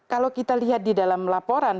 kalau kita lihat di dalam laporan